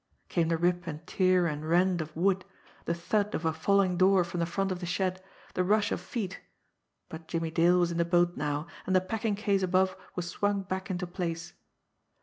Came the rip and tear and rend of wood, the thud of a falling door from the front of the shed, the rush of feet but Jimmie Dale was in the boat now, and the packing case above was swung back into place.